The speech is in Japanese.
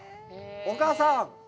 お母さん！